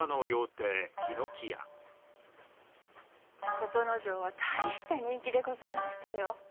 琴之丞は大した人気でございましたよ。